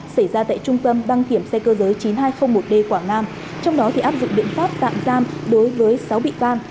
xảy ra tại trung tâm đăng kiểm xe cơ giới chín nghìn hai trăm linh một d quảng nam trong đó thì áp dụng biện pháp tạm giam đối với sáu bị can